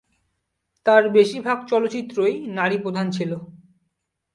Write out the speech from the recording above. তার বেশির ভাগ চলচ্চিত্রই নারী প্রধান ছিল।